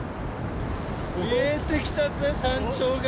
見えてきたぜ山頂が！